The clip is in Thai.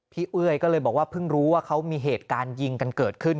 เอ้ยก็เลยบอกว่าเพิ่งรู้ว่าเขามีเหตุการณ์ยิงกันเกิดขึ้น